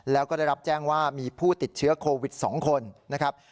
แล้วก็ได้รับแจ้งว่ามีผู้ติดเชื้อโควิด๒คนนะครับ